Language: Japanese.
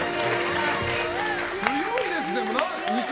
強いですね。